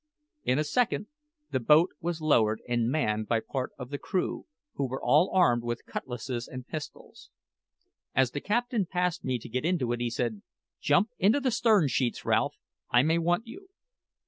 In a second the boat was lowered and manned by a part of the crew, who were all armed with cutlasses and pistols. As the captain passed me to get into it he said, "Jump into the stern sheets, Ralph; I may want you."